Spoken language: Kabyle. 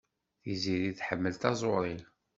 Tiziri tḥemmel taẓuri.